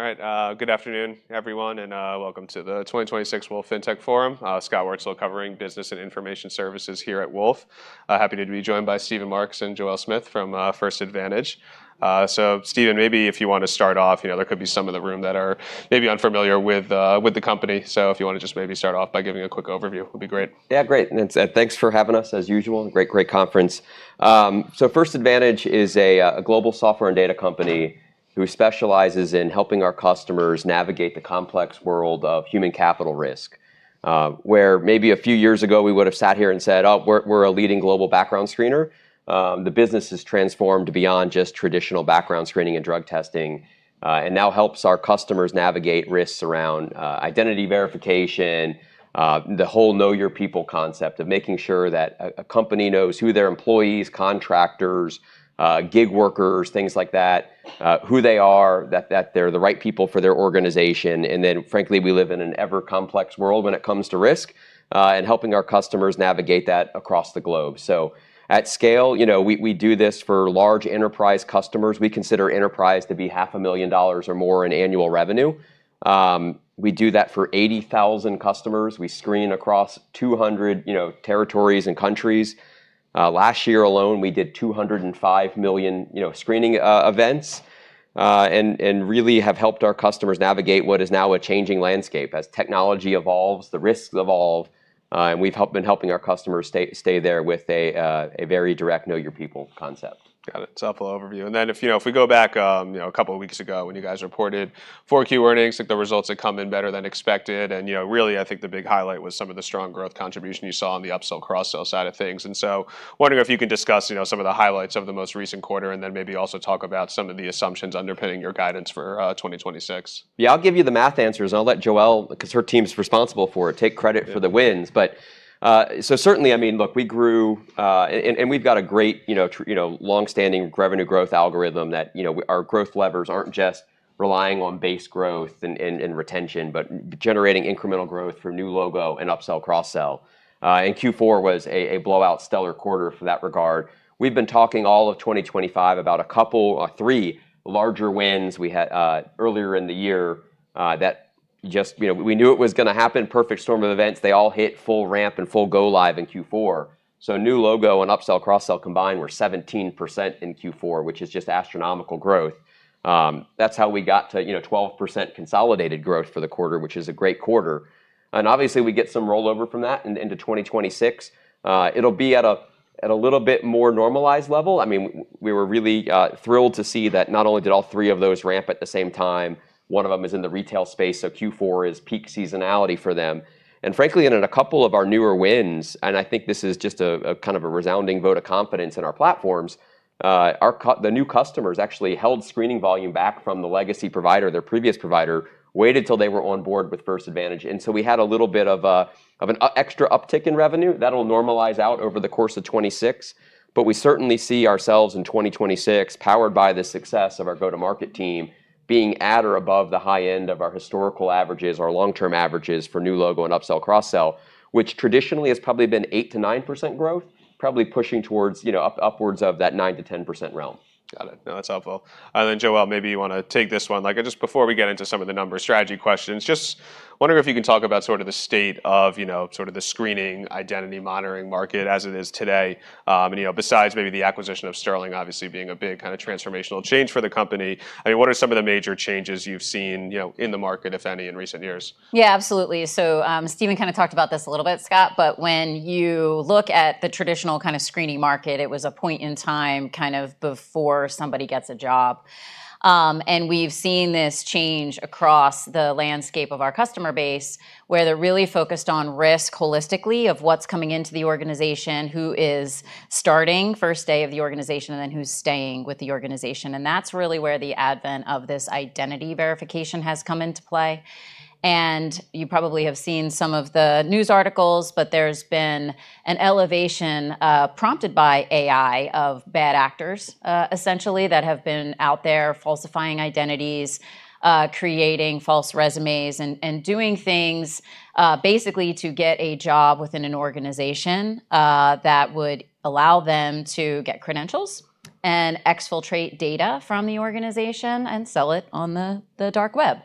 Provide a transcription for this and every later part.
Good afternoon, everyone, and welcome to the 2026 Wolfe FinTech Forum. Scott Wurtzel covering business and information services here at Wolfe. Happy to be joined by Steven Marks and Joelle Smith from First Advantage. Steven, maybe if you want to start off, you know, there could be some in the room that are maybe unfamiliar with the company. If you wanna just maybe start off by giving a quick overview, it'd be great. Yeah, great. Thanks for having us as usual, and great conference. First Advantage is a global software and data company who specializes in helping our customers navigate the complex world of human capital risk, where maybe a few years ago we would have sat here and said, "Oh, we're a leading global background screener." The business has transformed beyond just traditional background screening and drug testing, and now helps our customers navigate risks around identity verification, the whole Know Your People concept of making sure that a company knows who their employees, contractors, gig workers, things like that, who they are, that they're the right people for their organization. Frankly, we live in an ever complex world when it comes to risk, and helping our customers navigate that across the globe. At scale, you know, we do this for large enterprise customers. We consider enterprise to be half a million dollars or more in annual revenue. We do that for 80,000 customers. We screen across 200, you know, territories and countries. Last year alone, we did 205 million, you know, screening events. And really have helped our customers navigate what is now a changing landscape. As technology evolves, the risks evolve, and we've been helping our customers stay there with a very direct Know Your People concept. Got it. It's helpful overview. Then if, you know, if we go back, you know, a couple of weeks ago when you guys reported Q4 earnings, like the results had come in better than expected, and you know, really, I think the big highlight was some of the strong growth contribution you saw on the upsell/cross-sell side of things. Wondering if you could discuss, you know, some of the highlights of the most recent quarter, and then maybe also talk about some of the assumptions underpinning your guidance for 2026. Yeah, I'll give you the math answers, and I'll let Joelle, 'cause her team's responsible for it, take credit. Yeah. for the wins. Certainly, I mean, look, we grew, and we've got a great, you know, long-standing revenue growth algorithm that, you know, our growth levers aren't just relying on base growth and retention, but generating incremental growth from new logo and upsell/cross-sell. Q4 was a blowout stellar quarter for that regard. We've been talking all of 2025 about a couple or three larger wins we had earlier in the year that just, you know, we knew it was gonna happen, perfect storm of events. They all hit full ramp and full go live in Q4. New logo and upsell/cross-sell combined were 17% in Q4, which is just astronomical growth. That's how we got to, you know, 12% consolidated growth for the quarter, which is a great quarter. Obviously, we get some rollover from that into 2026. It'll be at a little bit more normalized level. I mean, we were really thrilled to see that not only did all three of those ramp at the same time, one of them is in the retail space, so Q4 is peak seasonality for them. Frankly, in a couple of our newer wins, I think this is just a kind of a resounding vote of confidence in our platforms, the new customers actually held screening volume back from the legacy provider, their previous provider, waited till they were on board with First Advantage. We had a little bit of an extra uptick in revenue that'll normalize out over the course of 2026. We certainly see ourselves in 2026 powered by the success of our go-to-market team being at or above the high end of our historical averages, our long-term averages for new logo and upsell/cross-sell, which traditionally has probably been 8%-9% growth, probably pushing towards, you know, upwards of that 9%-10% realm. Got it. No, that's helpful. Then, Joelle, maybe you wanna take this one. Like just before we get into some of the numbers, strategy questions, just wondering if you can talk about sort of the state of, you know, sort of the screening identity monitoring market as it is today. You know, besides maybe the acquisition of Sterling obviously being a big kind of transformational change for the company, I mean, what are some of the major changes you've seen, you know, in the market, if any, in recent years? Yeah, absolutely. Steven kinda talked about this a little bit, Scott, but when you look at the traditional kind of screening market, it was a point in time kind of before somebody gets a job. We've seen this change across the landscape of our customer base, where they're really focused on risk holistically of what's coming into the organization, who is starting first day of the organization, and then who's staying with the organization. That's really where the advent of this identity verification has come into play. You probably have seen some of the news articles, but there's been an elevation prompted by AI of bad actors essentially that have been out there falsifying identities creating false resumes, and doing things basically to get a job within an organization that would allow them to get credentials and exfiltrate data from the organization and sell it on the dark web.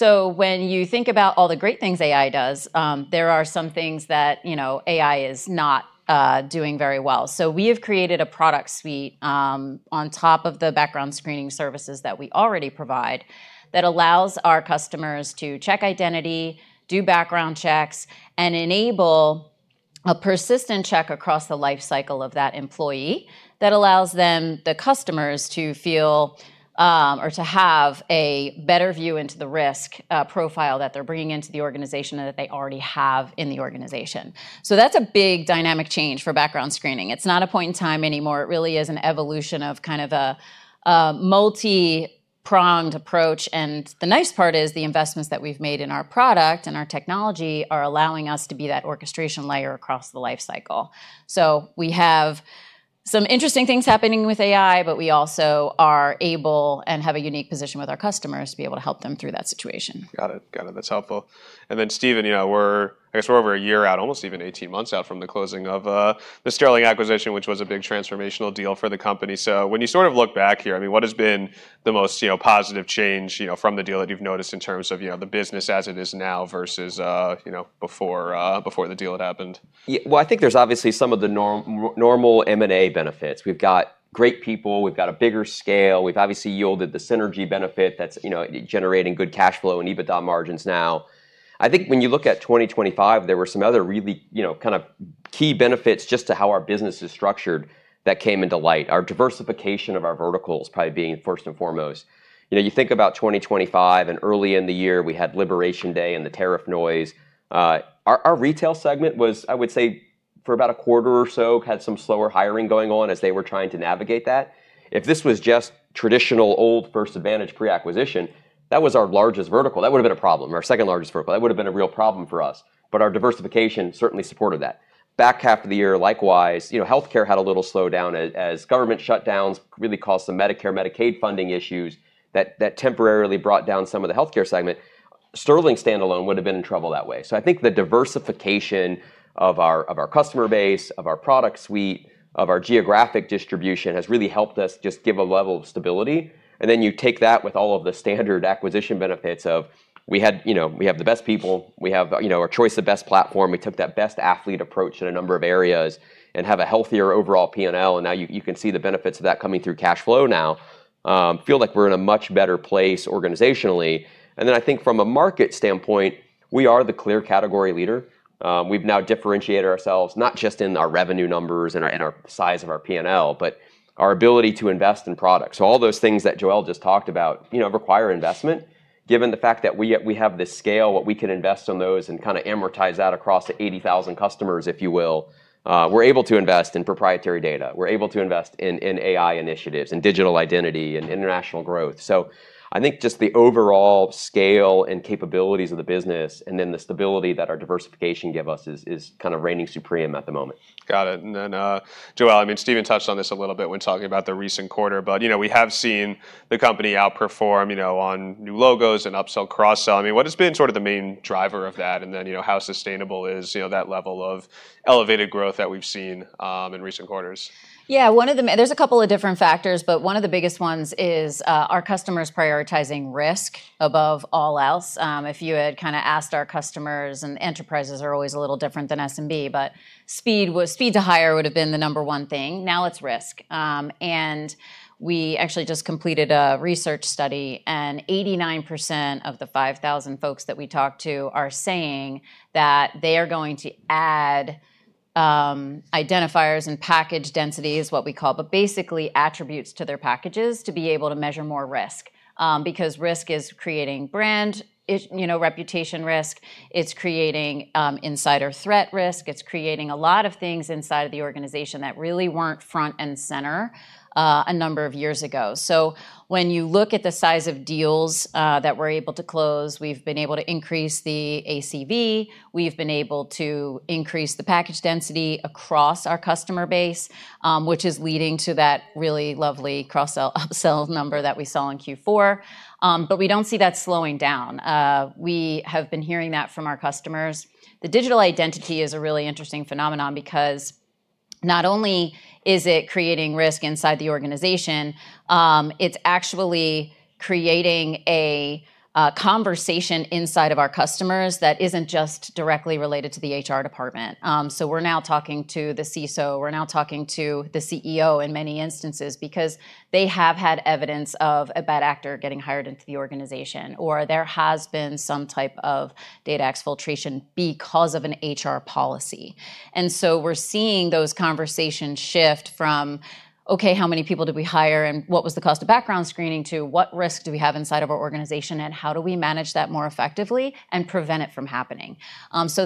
When you think about all the great things AI does, there are some things that, you know, AI is not doing very well. We have created a product suite, on top of the background screening services that we already provide that allows our customers to check identity, do background checks, and enable a persistent check across the life cycle of that employee that allows them, the customers, to feel, or to have a better view into the risk, profile that they're bringing into the organization or that they already have in the organization. That's a big dynamic change for background screening. It's not a point in time anymore. It really is an evolution of kind of a multi-pronged approach. The nice part is the investments that we've made in our product and our technology are allowing us to be that orchestration layer across the life cycle. We have some interesting things happening with AI, but we also are able, and have a unique position with our customers, to be able to help them through that situation. Got it. That's helpful. Then Steven, you know, I guess we're over a year out, almost even 18 months out from the closing of the Sterling acquisition, which was a big transformational deal for the company. When you sort of look back here, I mean, what has been the most, you know, positive change, you know, from the deal that you've noticed in terms of, you know, the business as it is now versus, you know, before before the deal had happened? Yeah. Well, I think there's obviously some of the normal M&A benefits. We've got great people. We've got a bigger scale. We've obviously yielded the synergy benefit that's, you know, generating good cash flow and EBITDA margins now. I think when you look at 2025, there were some other really, you know, kind of key benefits just to how our business is structured that came into light. Our diversification of our verticals probably being first and foremost. You know, you think about 2025, and early in the year we had Liberation Day and the tariff noise. Our retail segment was, I would say for about a quarter or so, had some slower hiring going on as they were trying to navigate that. If this was just traditional old First Advantage pre-acquisition, that was our largest vertical. That would've been a problem. Our second largest vertical. That would've been a real problem for us. Our diversification certainly supported that. Back half of the year, likewise, you know, healthcare had a little slowdown as government shutdowns really caused some Medicare, Medicaid funding issues that temporarily brought down some of the healthcare segment. Sterling standalone would've been in trouble that way. I think the diversification of our, of our customer base, of our product suite, of our geographic distribution, has really helped us just give a level of stability. Then you take that with all of the standard acquisition benefits of we had. You know, we have the best people. We have, you know, our choice of best platform. We took that best athlete approach in a number of areas and have a healthier overall P&L, and now you can see the benefits of that coming through cash flow now. Feel like we're in a much better place organizationally. I think from a market standpoint, we are the clear category leader. We've now differentiated ourselves, not just in our revenue numbers and our size of our P&L, but our ability to invest in product. All those things that Joelle just talked about, you know, require investment. Given the fact that we have the scale, what we can invest on those and kind of amortize that across the 80,000 customers, if you will, we're able to invest in proprietary data. We're able to invest in AI initiatives and digital identity and international growth. I think just the overall scale and capabilities of the business, and then the stability that our diversification give us is kind of reigning supreme at the moment. Got it. Joelle, I mean, Steven touched on this a little bit when talking about the recent quarter, but, you know, we have seen the company outperform, you know, on new logos and upsell/cross-sell. I mean, what has been sort of the main driver of that, and then, you know, how sustainable is, you know, that level of elevated growth that we've seen in recent quarters? Yeah. There's a couple of different factors, but one of the biggest ones is our customers prioritizing risk above all else. If you had kind of asked our customers, enterprises are always a little different than SMB, but speed to hire would've been the number one thing. Now it's risk. We actually just completed a research study, 89% of the 5,000 folks that we talked to are saying that they are going to add identifiers and package density is what we call, but basically attributes to their packages to be able to measure more risk. Because risk is creating brand reputation risk. You know, it's reputation risk. It's creating insider threat risk. It's creating a lot of things inside of the organization that really weren't front and center a number of years ago. When you look at the size of deals that we're able to close, we've been able to increase the ACV. We've been able to increase the package density across our customer base, which is leading to that really lovely cross-sell/upsell number that we saw in Q4. We don't see that slowing down. We have been hearing that from our customers. The digital identity is a really interesting phenomenon because not only is it creating risk inside the organization, it's actually creating a conversation inside of our customers that isn't just directly related to the HR department. We're now talking to the CISO, we're now talking to the CEO in many instances because they have had evidence of a bad actor getting hired into the organization, or there has been some type of data exfiltration because of an HR policy. We're seeing those conversations shift from, "Okay, how many people did we hire, and what was the cost of background screening?" to, "What risk do we have inside of our organization, and how do we manage that more effectively and prevent it from happening?"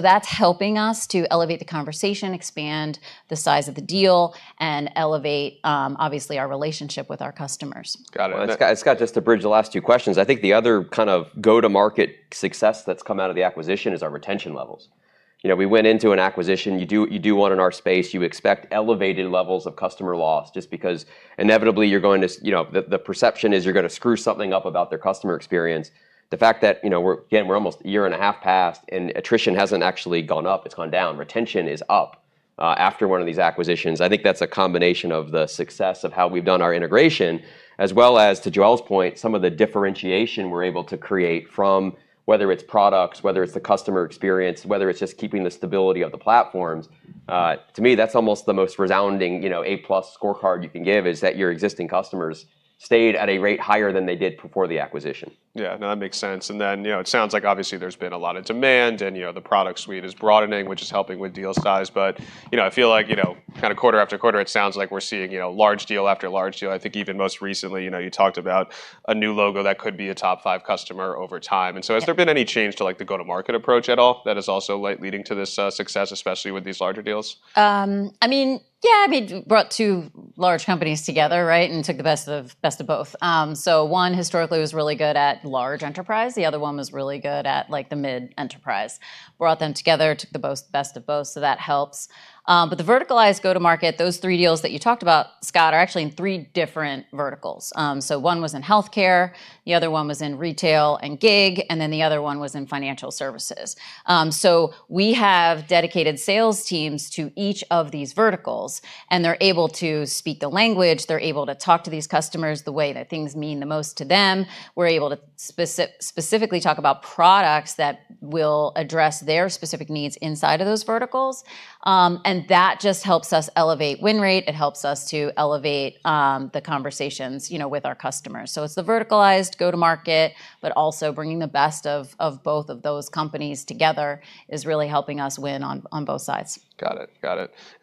That's helping us to elevate the conversation, expand the size of the deal, and elevate, obviously, our relationship with our customers. Got it. Scott, just to bridge the last two questions, I think the other kind of go-to-market success that's come out of the acquisition is our retention levels. You know, we went into an acquisition. You do one in our space, you expect elevated levels of customer loss just because inevitably you're going to, you know, the perception is you're gonna screw something up about their customer experience. The fact that, you know, we're, again, we're almost a year and a half past, and attrition hasn't actually gone up. It's gone down. Retention is up. After one of these acquisitions, I think that's a combination of the success of how we've done our integration, as well as to Joelle's point, some of the differentiation we're able to create from whether it's products, whether it's the customer experience, whether it's just keeping the stability of the platforms. To me, that's almost the most resounding, you know, A-plus scorecard you can give is that your existing customers stayed at a rate higher than they did before the acquisition. Yeah. No, that makes sense. You know, it sounds like obviously there's been a lot of demand and, you know, the product suite is broadening, which is helping with deal size. You know, I feel like, you know, kind of quarter after quarter, it sounds like we're seeing, you know, large deal after large deal. I think even most recently, you know, you talked about a new logo that could be a top five customer over time. Has there been any change to, like, the go-to-market approach at all that is also like leading to this success, especially with these larger deals? I mean, yeah, I mean, brought two large companies together, right? Took the best of both. One historically was really good at large enterprise. The other one was really good at, like, the mid-enterprise. Brought them together, took the best of both, so that helps. The verticalized go-to-market, those three deals that you talked about, Scott, are actually in three different verticals. One was in healthcare, the other one was in retail and gig, and then the other one was in financial services. We have dedicated sales teams to each of these verticals, and they're able to speak the language. They're able to talk to these customers the way that things mean the most to them. We're able to specifically talk about products that will address their specific needs inside of those verticals. That just helps us elevate win rate. It helps us to elevate the conversations, you know, with our customers. It's the verticalized go-to-market, but also bringing the best of both of those companies together is really helping us win on both sides. Got it.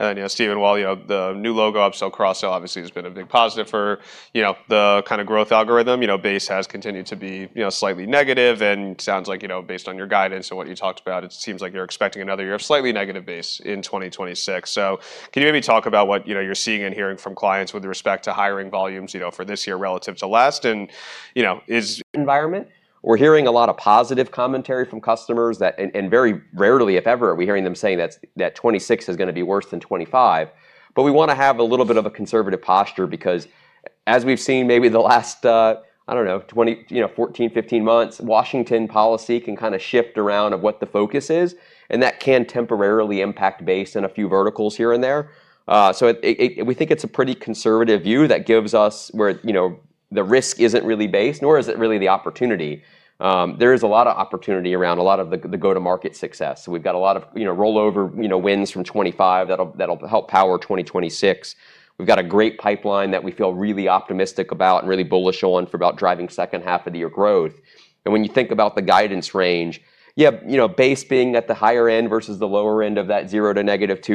You know, Steven, while, you know, the new logo upsell/cross-sell obviously has been a big positive for, you know, the kinda growth algorithm, you know, base has continued to be, you know, slightly negative and sounds like, you know, based on your guidance and what you talked about, it seems like you're expecting another year of slightly negative base in 2026. Can you maybe talk about what, you know, you're seeing and hearing from clients with respect to hiring volumes, you know, for this year relative to last? Environment, we're hearing a lot of positive commentary from customers that very rarely, if ever, are we hearing them saying that 2026 is gonna be worse than 2025. We wanna have a little bit of a conservative posture because as we've seen maybe the last, I don't know, 20, 14, 15 months, Washington policy can kinda shift around on what the focus is, and that can temporarily impact base in a few verticals here and there. We think it's a pretty conservative view that gives us where the risk isn't really based, nor is it really the opportunity. There is a lot of opportunity around a lot of the go-to-market success. We've got a lot of rollover wins from 2025 that'll help power 2026. We've got a great pipeline that we feel really optimistic about and really bullish on for about driving second half of the year growth. When you think about the guidance range, yeah, you know, base being at the higher end versus the lower end of that 0% to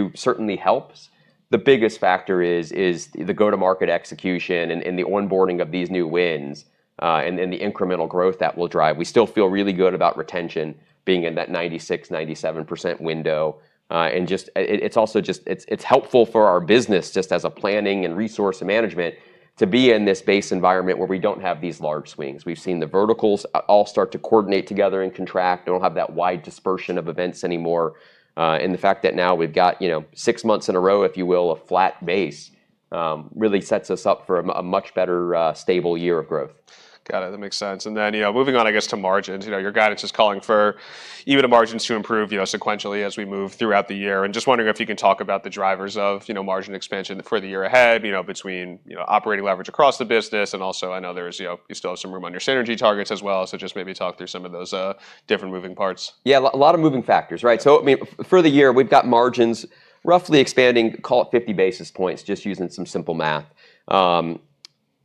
-2% certainly helps. The biggest factor is the go-to-market execution and the onboarding of these new wins, and the incremental growth that will drive. We still feel really good about retention being in that 96%-97% window. It's also just helpful for our business just as a planning and resource management to be in this base environment where we don't have these large swings. We've seen the verticals all start to coordinate together and contract. They don't have that wide dispersion of events anymore. The fact that now we've got, you know, six months in a row, if you will, a flat base really sets us up for a much better stable year of growth. Got it. That makes sense. You know, moving on, I guess, to margins. You know, your guidance is calling for EBITDA margins to improve, you know, sequentially as we move throughout the year. Just wondering if you can talk about the drivers of, you know, margin expansion for the year ahead, you know, between, you know, operating leverage across the business. Also I know there's, you know, you still have some room on your synergy targets as well. Just maybe talk through some of those, different moving parts. Yeah. A lot of moving factors, right? I mean, for the year, we've got margins roughly expanding, call it 50 basis points, just using some simple math.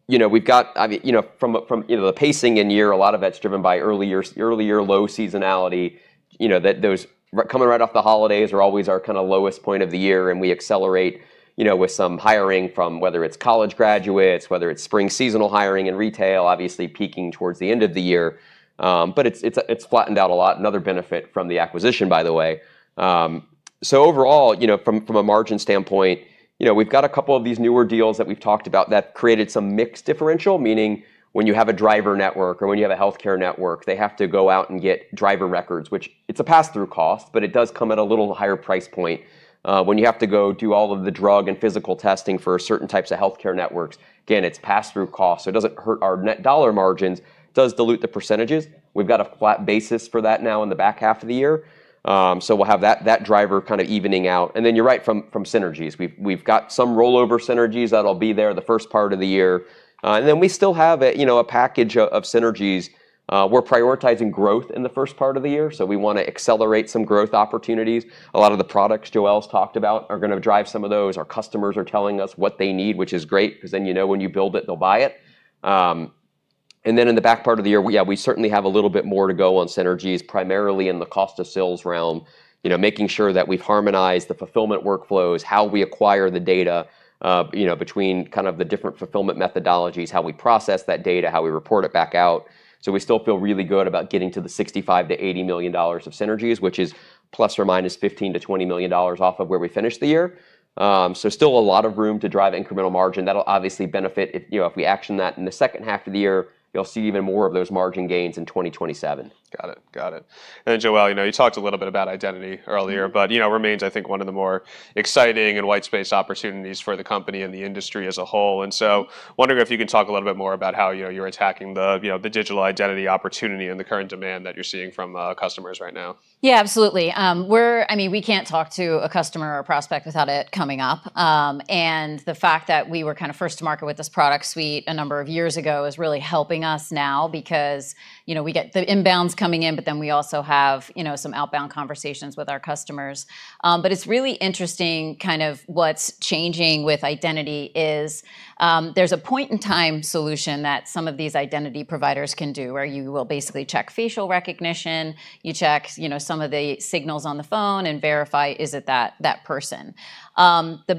You know, we've got. I mean, you know, from a, from. You know, the pacing in year, a lot of that's driven by earlier low seasonality. You know, those coming right off the holidays are always our kinda lowest point of the year, and we accelerate, you know, with some hiring from whether it's college graduates, whether it's spring seasonal hiring in retail, obviously peaking towards the end of the year. It's flattened out a lot. Another benefit from the acquisition, by the way. Overall, you know, from a margin standpoint, you know, we've got a couple of these newer deals that we've talked about that created some mixed differential, meaning when you have a driver network or when you have a healthcare network, they have to go out and get driver records, which it's a pass-through cost, but it does come at a little higher price point. When you have to go do all of the drug and physical testing for certain types of healthcare networks, again, it's pass-through cost, so it doesn't hurt our net dollar margins. It does dilute the percentages. We've got a flat basis for that now in the back half of the year. We'll have that driver kind of evening out. Then you're right from synergies. We've got some rollover synergies that'll be there the first part of the year. We still have, you know, a package of synergies. We're prioritizing growth in the first part of the year, so we wanna accelerate some growth opportunities. A lot of the products Joelle's talked about are gonna drive some of those. Our customers are telling us what they need, which is great, 'cause then you know when you build it, they'll buy it. In the back part of the year, we certainly have a little bit more to go on synergies, primarily in the cost of sales realm. You know, making sure that we've harmonized the fulfillment workflows, how we acquire the data between kind of the different fulfillment methodologies, how we process that data, how we report it back out. We still feel really good about getting to the $65-$80 million of synergies, which is ±$15-$20 million off of where we finished the year. Still a lot of room to drive incremental margin. That'll obviously benefit if, you know, if we action that in the second half of the year, you'll see even more of those margin gains in 2027. Got it. Joelle, you know, you talked a little bit about identity earlier. Mm-hmm. you know, remains, I think, one of the more exciting and white space opportunities for the company and the industry as a whole. Wondering if you can talk a little bit more about how, you know, you're attacking the, you know, the digital identity opportunity and the current demand that you're seeing from customers right now? Yeah, absolutely. I mean, we can't talk to a customer or prospect without it coming up. The fact that we were kind of first to market with this product suite a number of years ago is really helping us now because, you know, we get the inbounds coming in, but then we also have, you know, some outbound conversations with our customers. It's really interesting kind of what's changing with identity is, there's a point in time solution that some of these identity providers can do where you will basically check facial recognition. You check, you know, some of the signals on the phone and verify is it that person. The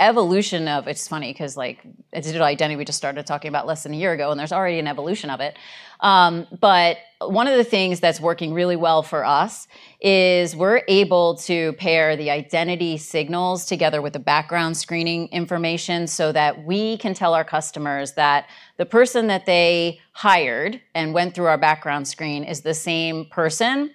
evolution of. It's funny 'cause, like, digital identity, we just started talking about less than a year ago, and there's already an evolution of it. One of the things that's working really well for us is we're able to pair the identity signals together with the background screening information so that we can tell our customers that the person that they hired and went through our background screen is the same person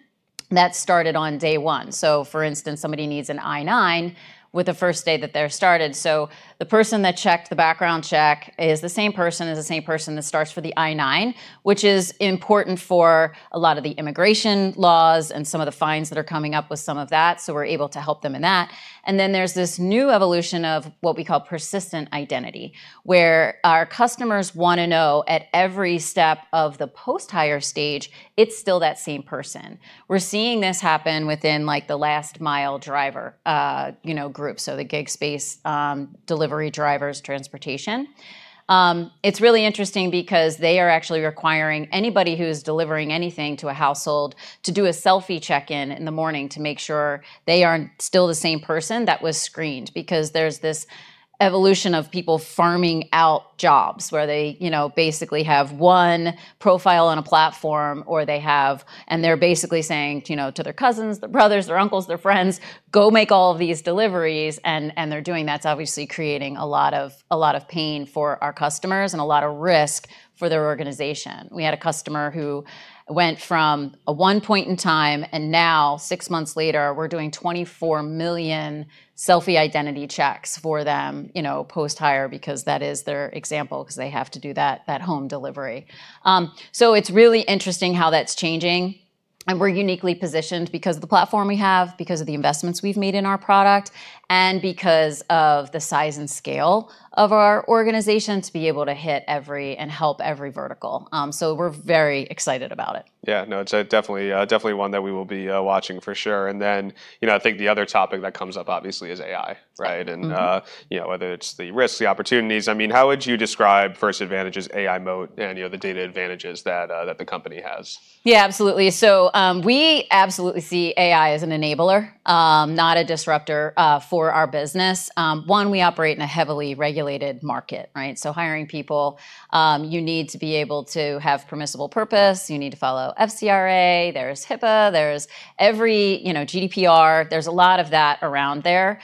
that started on day one. For instance, somebody needs an I-9 with the first day that they're started. The person that checked the background check is the same person that starts for the I-9, which is important for a lot of the immigration laws and some of the fines that are coming up with some of that, so we're able to help them in that. There's this new evolution of what we call persistent identity, where our customers wanna know at every step of the post-hire stage, it's still that same person. We're seeing this happen within like the last mile driver, you know, group, so the gig space, delivery drivers, transportation. It's really interesting because they are actually requiring anybody who's delivering anything to a household to do a selfie check-in in the morning to make sure they are still the same person that was screened because there's this evolution of people farming out jobs where they, you know, basically have one profile on a platform. They're basically saying, you know, to their cousins, their brothers, their uncles, their friends, "Go make all of these deliveries." They're doing that. It's obviously creating a lot of pain for our customers and a lot of risk for their organization. We had a customer who went from at one point in time, and now six months later, we're doing 24 million selfie identity checks for them, you know, post-hire because that is their example because they have to do that home delivery. It's really interesting how that's changing, and we're uniquely positioned because of the platform we have, because of the investments we've made in our product, and because of the size and scale of our organization to be able to hit every and help every vertical. We're very excited about it. Yeah. No, it's definitely one that we will be watching for sure. Then, you know, I think the other topic that comes up obviously is AI, right? Mm-hmm. You know, whether it's the risks, the opportunities. I mean, how would you describe First Advantage's AI moat and, you know, the data advantages that the company has? Yeah, absolutely. We absolutely see AI as an enabler, not a disruptor, for our business. One, we operate in a heavily regulated market, right? Hiring people, you need to be able to have permissible purpose. You need to follow FCRA. There's HIPAA. There's every, you know, GDPR. There's a lot of that around there.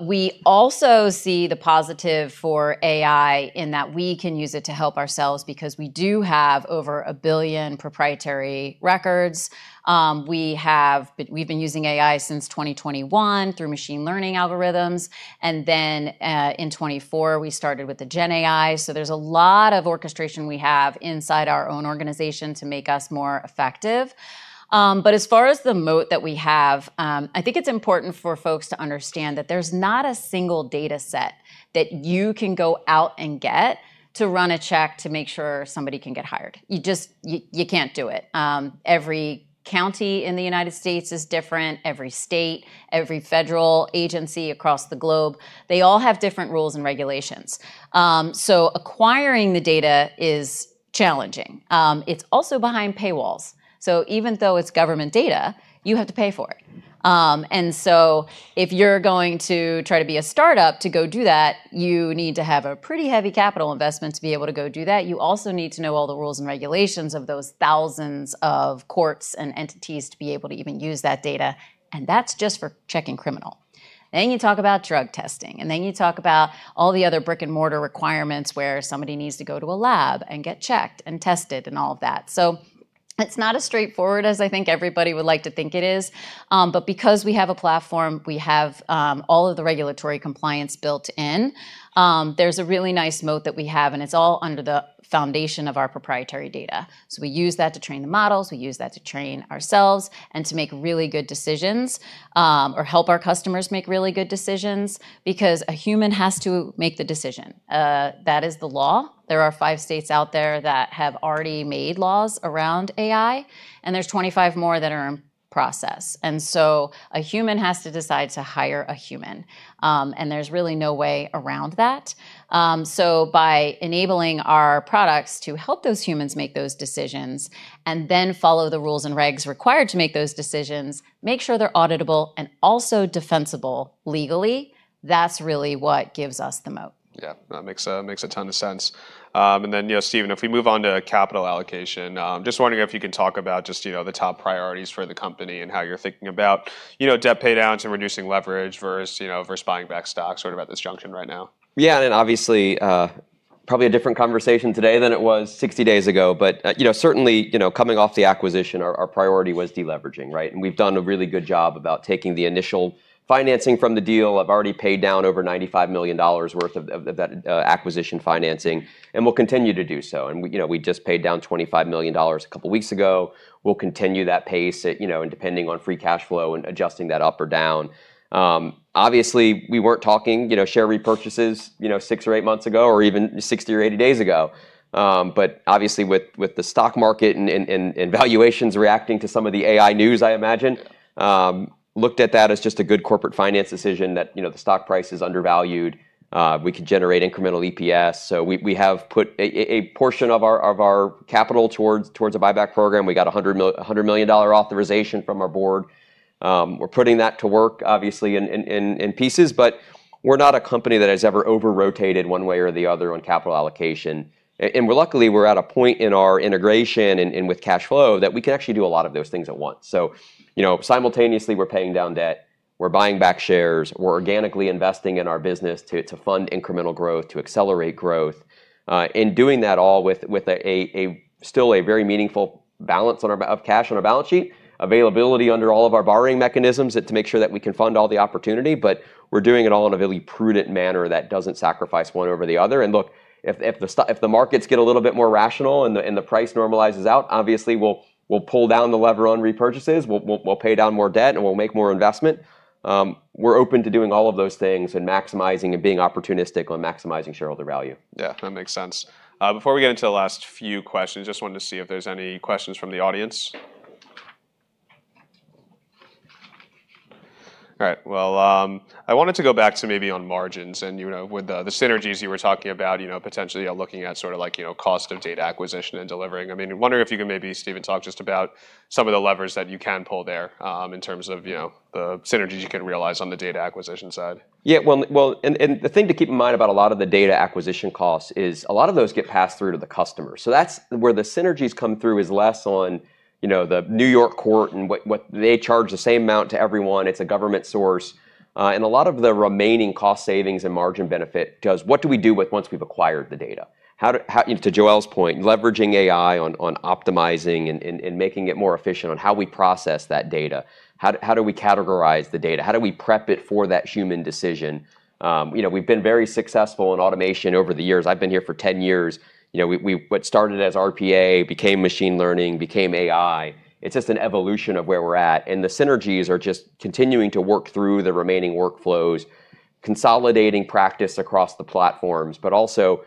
We also see the positive for AI in that we can use it to help ourselves because we do have over 1 billion proprietary records. We've been using AI since 2021 through machine learning algorithms. In 2024, we started with the GenAI. There's a lot of orchestration we have inside our own organization to make us more effective. As far as the moat that we have, I think it's important for folks to understand that there's not a single dataset that you can go out and get to run a check to make sure somebody can get hired. You just can't do it. Every county in the United States is different. Every state, every federal agency across the globe, they all have different rules and regulations. Acquiring the data is challenging. It's also behind paywalls. Even though it's government data, you have to pay for it. If you're going to try to be a startup to go do that, you need to have a pretty heavy capital investment to be able to go do that. You also need to know all the rules and regulations of those thousands of courts and entities to be able to even use that data, and that's just for checking criminal. You talk about drug testing, and then you talk about all the other brick-and-mortar requirements where somebody needs to go to a lab and get checked and tested and all of that. It's not as straightforward as I think everybody would like to think it is. Because we have a platform, we have all of the regulatory compliance built in, there's a really nice moat that we have, and it's all under the foundation of our proprietary data. We use that to train the models. We use that to train ourselves and to make really good decisions, or help our customers make really good decisions because a human has to make the decision. That is the law. There are five states out there that have already made laws around AI, and there's 25 more. A human has to decide to hire a human. There's really no way around that. By enabling our products to help those humans make those decisions and then follow the rules and regs required to make those decisions, make sure they're auditable and also defensible legally, that's really what gives us the moat. Yeah. That makes a ton of sense. You know, Steven, if we move on to capital allocation, just wondering if you can talk about, you know, the top priorities for the company and how you're thinking about, you know, debt pay downs and reducing leverage versus buying back stocks sort of at this juncture right now. Yeah. Obviously, probably a different conversation today than it was 60 days ago. You know, certainly, you know, coming off the acquisition, our priority was deleveraging, right? We've done a really good job about taking the initial financing from the deal. I've already paid down over $95 million worth of that acquisition financing, and we'll continue to do so. You know, we just paid down $25 million a couple weeks ago. We'll continue that pace, you know, and depending on free cash flow and adjusting that up or down. Obviously, we weren't talking, you know, share repurchases, you know, 6 or 8 months ago or even 60 or 80 days ago. Obviously with the stock market and valuations reacting to some of the AI news, I imagine looked at that as just a good corporate finance decision that, you know, the stock price is undervalued. We could generate incremental EPS. We have put a portion of our capital towards a buyback program. We got $100 million authorization from our board. We're putting that to work obviously in pieces. We're not a company that has ever over-rotated one way or the other on capital allocation. We're luckily at a point in our integration and with cash flow that we can actually do a lot of those things at once. You know, simultaneously we're paying down debt, we're buying back shares, we're organically investing in our business to fund incremental growth, to accelerate growth. In doing that all with a still a very meaningful balance of cash on our balance sheet, availability under all of our borrowing mechanisms to make sure that we can fund all the opportunity, but we're doing it all in a really prudent manner that doesn't sacrifice one over the other. Look, if the markets get a little bit more rational and the price normalizes out, obviously we'll pull down the lever on repurchases, we'll pay down more debt and we'll make more investment. We're open to doing all of those things and maximizing and being opportunistic on maximizing shareholder value. Yeah, that makes sense. Before we get into the last few questions, just wanted to see if there's any questions from the audience. All right. Well, I wanted to go back to maybe on margins and, you know, with the synergies you were talking about, you know, potentially looking at sort of like, you know, cost of data acquisition and delivering. I mean, I'm wondering if you can maybe, Steven, talk just about some of the levers that you can pull there, in terms of, you know, the synergies you can realize on the data acquisition side. Yeah. Well, the thing to keep in mind about a lot of the data acquisition costs is a lot of those get passed through to the customer. That's where the synergies come through is less on, you know, the New York court and what they charge the same amount to everyone. It's a government source. A lot of the remaining cost savings and margin benefit goes, what do we do with once we've acquired the data? How, to Joelle's point, leveraging AI on optimizing and making it more efficient on how we process that data. How do we categorize the data? How do we prep it for that human decision? You know, we've been very successful in automation over the years. I've been here for 10 years. You know, what started as RPA became machine learning, became AI. It's just an evolution of where we're at, and the synergies are just continuing to work through the remaining workflows, consolidating practice across the platforms, but also,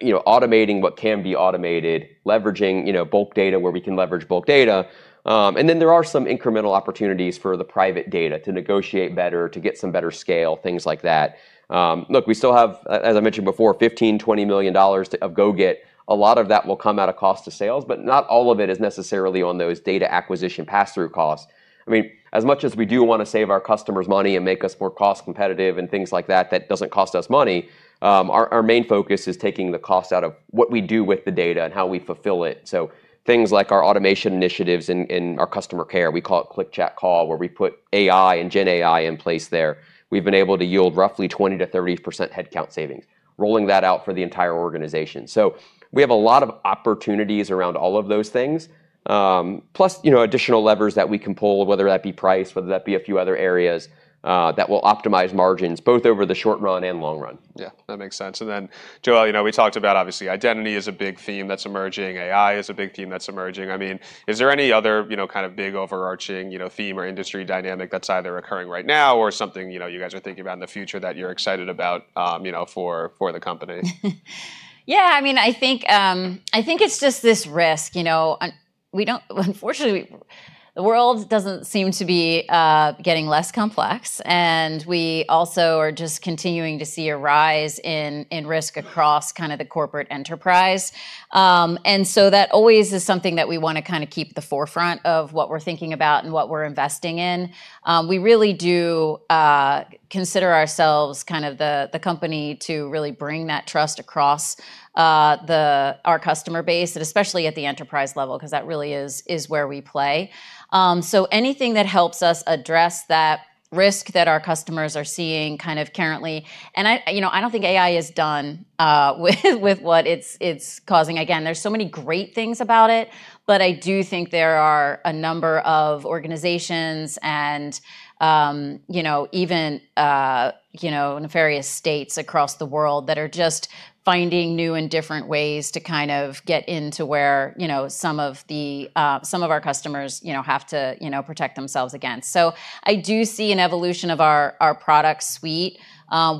you know, automating what can be automated, leveraging, you know, bulk data where we can leverage bulk data. And then there are some incremental opportunities for the private data to negotiate better, to get some better scale, things like that. Look, we still have, as I mentioned before, $15-$20 million of go-get. A lot of that will come out of cost of sales, but not all of it is necessarily on those data acquisition pass-through costs. I mean, as much as we do wanna save our customers money and make us more cost competitive and things like that doesn't cost us money. Our main focus is taking the cost out of what we do with the data and how we fulfill it. Things like our automation initiatives in our customer care, we call it Click.Chat.Call, where we put AI and GenAI in place there. We've been able to yield roughly 20%-30% headcount savings, rolling that out for the entire organization. We have a lot of opportunities around all of those things, plus, you know, additional levers that we can pull, whether that be price, whether that be a few other areas, that will optimize margins both over the short run and long run. Yeah. That makes sense. Joelle, you know, we talked about obviously identity is a big theme that's emerging. AI is a big theme that's emerging. I mean, is there any other, you know, kind of big overarching, you know, theme or industry dynamic that's either occurring right now or something, you know, you guys are thinking about in the future that you're excited about, you know, for the company? Yeah. I mean, I think it's just this risk, you know. Unfortunately, the world doesn't seem to be getting less complex, and we also are just continuing to see a rise in risk across kind of the corporate enterprise. That always is something that we wanna kinda keep the forefront of what we're thinking about and what we're investing in. We really do consider ourselves kind of the company to really bring that trust across our customer base, and especially at the enterprise level, 'cause that really is where we play. Anything that helps us address that risk that our customers are seeing kind of currently. I, you know, I don't think AI is done with what it's causing. Again, there's so many great things about it, but I do think there are a number of organizations and, you know, even in various states across the world that are just finding new and different ways to kind of get into where, you know, some of our customers have to protect themselves against. I do see an evolution of our product suite,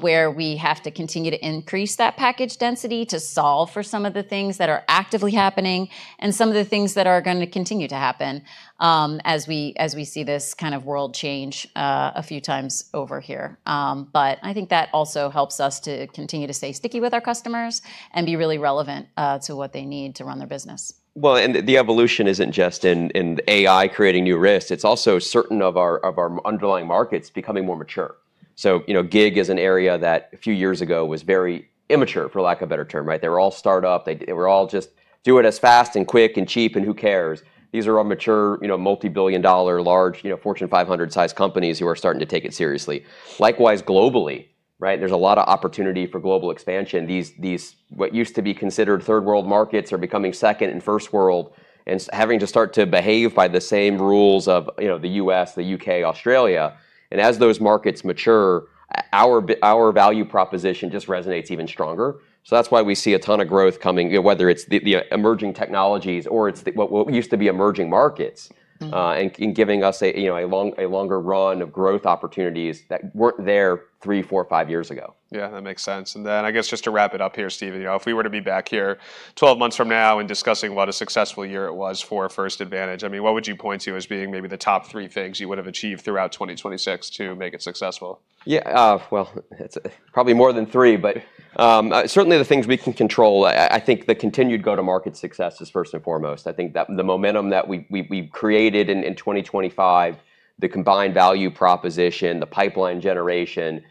where we have to continue to increase that package density to solve for some of the things that are actively happening and some of the things that are gonna continue to happen, as we see this kind of world change a few times over here. I think that also helps us to continue to stay sticky with our customers and be really relevant to what they need to run their business. The evolution isn't just in AI creating new risks, it's also certain of our underlying markets becoming more mature. You know, gig is an area that a few years ago was very immature, for lack of a better term, right? They were all startup. They were all just do it as fast and quick and cheap, and who cares? These are all mature, you know, multi-billion-dollar, large, you know, Fortune 500 size companies who are starting to take it seriously. Likewise, globally, right? There's a lot of opportunity for global expansion. These what used to be considered third-world markets are becoming second and first world, and having to start to behave by the same rules of, you know, the U.S., the U.K., Australia. As those markets mature, our value proposition just resonates even stronger. that's why we see a ton of growth coming, you know, whether it's the emerging technologies or it's what used to be emerging markets. Mm. giving us, you know, a longer run of growth opportunities that weren't there three, four, five years ago. Yeah, that makes sense. I guess just to wrap it up here, Steven, you know, if we were to be back here 12 months from now and discussing what a successful year it was for First Advantage, I mean, what would you point to as being maybe the top 3 things you would have achieved throughout 2026 to make it successful? Yeah. Well, it's probably more than three, but certainly the things we can control. I think the continued go-to-market success is first and foremost. I think that the momentum that we've created in 2025, the combined value proposition, the pipeline generation,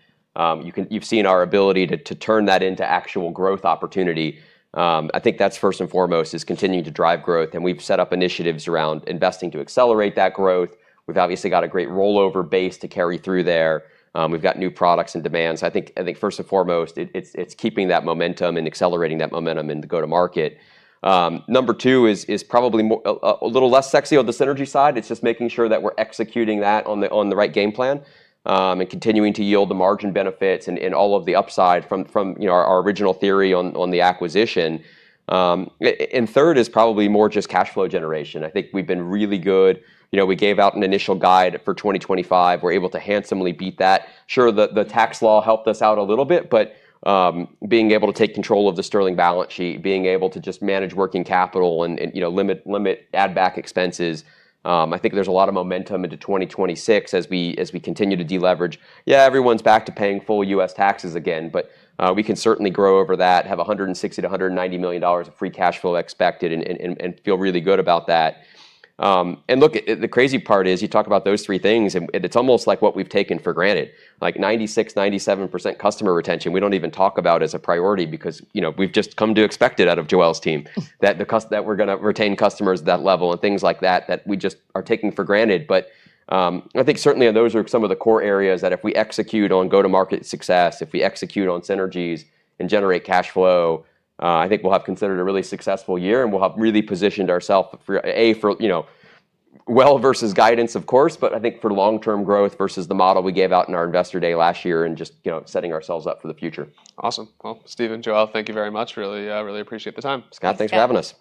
you've seen our ability to turn that into actual growth opportunity. I think that's first and foremost is continuing to drive growth, and we've set up initiatives around investing to accelerate that growth. We've obviously got a great rollover base to carry through there. We've got new products and demands. I think first and foremost, it's keeping that momentum and accelerating that momentum in the go-to-market. Number two is probably a little less sexy on the synergy side. It's just making sure that we're executing that on the right game plan and continuing to yield the margin benefits and all of the upside from you know our original theory on the acquisition. Third is probably more just cash flow generation. I think we've been really good. You know, we gave out an initial guide for 2025. We're able to handsomely beat that. Sure, the tax law helped us out a little bit, but being able to take control of the Sterling balance sheet, being able to just manage working capital and you know limit add back expenses, I think there's a lot of momentum into 2026 as we continue to deleverage. Yeah, everyone's back to paying full U.S. taxes again, but we can certainly grow over that, have $160 million-$190 million of free cash flow expected and feel really good about that. Look, the crazy part is you talk about those three things and it's almost like what we've taken for granted. Like 96%-97% customer retention we don't even talk about as a priority because, you know, we've just come to expect it out of Joelle's team. That we're gonna retain customers at that level and things like that we just are taking for granted. I think certainly those are some of the core areas that if we execute on go-to-market success, if we execute on synergies and generate cash flow, I think we'll have considered a really successful year, and we'll have really positioned ourselves for a, you know, well versus guidance of course, but I think for long-term growth versus the model we gave out in our investor day last year and just, you know, setting ourselves up for the future. Awesome. Well, Steven and Joelle, thank you very much. Really appreciate the time. Scott, thanks for having us.